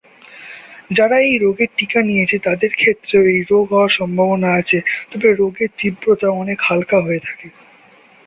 যারা এই রোগের টিকা নিয়েছে তাদের ক্ষেত্রেও এই রোগ হওয়ার সম্ভাবনা আছে তবে রোগের তীব্রতা অনেক হালকা হয়ে থাকে।